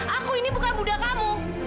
aku ini bukan muda kamu